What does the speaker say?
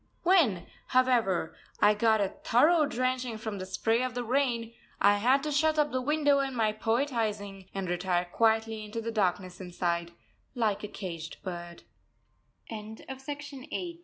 When, however, I got a thorough drenching from the spray of the rain, I had to shut up the window and my poetising, and retire quietly into the darkness inside, like a caged bird. SHAZADPUR. June 1891.